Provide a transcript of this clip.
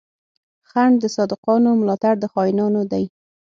خنډ د صادقانو، ملا تړ د خاينانو دی